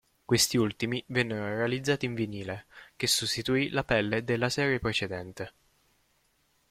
Questi ultimi vennero realizzati in vinile, che sostituì la pelle della serie precedente.